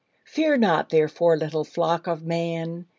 Fear not, therefore, little flock of Man!